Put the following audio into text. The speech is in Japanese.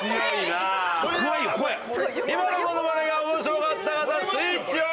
それでは今のモノマネが面白かった方スイッチオン！